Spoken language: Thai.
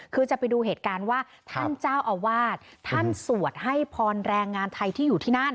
คือจะไปดูเหตุการณ์ว่าท่านเจ้าอาวาสท่านสวดให้พรแรงงานไทยที่อยู่ที่นั่น